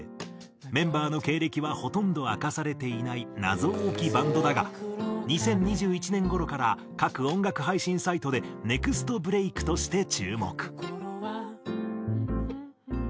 メンバーの経歴はほとんど明かされていない謎多きバンドだが２０２１年頃から各音楽配信サイトでネクストブレイクとして注目。